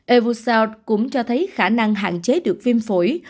evoso cũng cho thấy khả năng hạn chế được viêm phổi